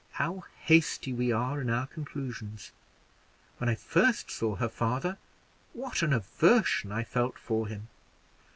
How hasty we are in our conclusions! When I first saw her father, what an aversion I felt for him!